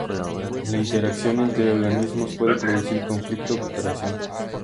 La interacción entre organismos puede producir conflicto o cooperación.